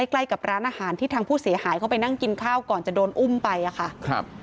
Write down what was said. ใกล้กับร้านอาหารที่ทางผู้เสียหายเข้าไปนั่งกินข้าวก่อนจะโดนอุ้มไปอะค่ะครับ